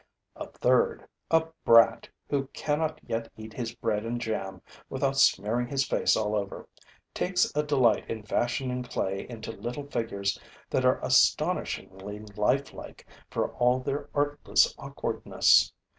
A third, a brat who cannot yet eat his bread and jam without smearing his face all over, takes a delight in fashioning clay into little figures that are astonishingly lifelike for all their artless awkwardness.